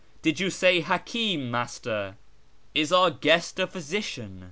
did you say hakim, Master ? Is our guest a physician